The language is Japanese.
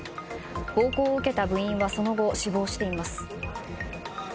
暴行を受けた部員はその後、死亡しています。